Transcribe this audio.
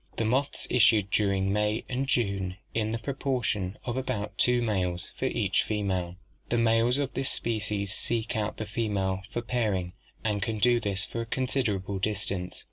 The moths issued during May and June in the proportion of about two males for each female. The males of this species seek out the female for pairing and can do this for a considerable distance.